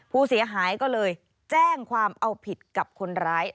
ผู้เสียหายก็เลยแจ้งความเอาผิดกับคนร้าย